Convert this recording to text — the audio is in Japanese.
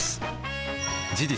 事実